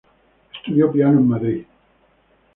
Estudió piano en Madrid.